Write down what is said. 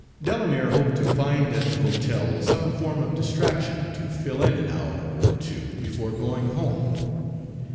Delamere hoped to find at the hotel some form of distraction to fill in an hour or two before going home.